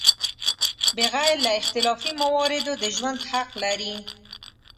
بغیر له اختلافي مواردو د ژوند حق لري.